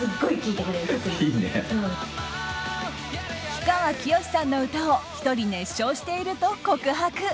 氷川きよしさんの歌を１人熱唱していると告白。